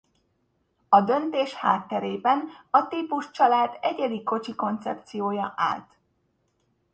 A döntés hátterében a típuscsalád egyedi kocsi koncepciója állt.